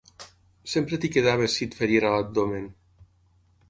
Sempre t'hi quedaves si et ferien a l'abdomen